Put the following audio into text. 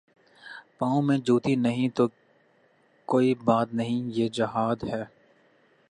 پاؤں میں جوتی نہیں تو کوئی بات نہیں یہ جہاد ہے۔